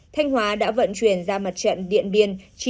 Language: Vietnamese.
thanh hóa đã vận chuyển ra mặt trận điện biên